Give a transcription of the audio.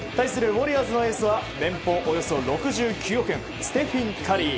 ウォリアーズのエースは年俸およそ６９億円ステフィン・カリー。